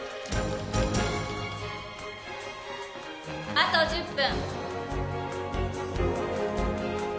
あと１０分。